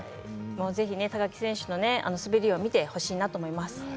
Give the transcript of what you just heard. もう是非木選手の滑りを見てほしいなと思います。